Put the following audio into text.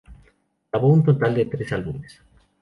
Grabó un total de tres álbumes.